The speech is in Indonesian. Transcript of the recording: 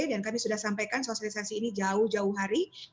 dan kami sudah sampaikan sosialisasi ini jauh jauh hari